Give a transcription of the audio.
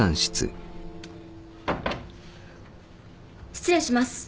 失礼します。